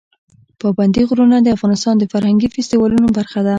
پابندي غرونه د افغانستان د فرهنګي فستیوالونو برخه ده.